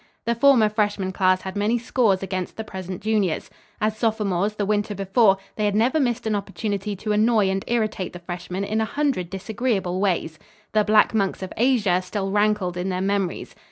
The former freshman class had many scores against the present juniors. As sophomores, the winter before, they had never missed an opportunity to annoy and irritate the freshmen in a hundred disagreeable ways. "The Black Monks of Asia" still rankled in their memories.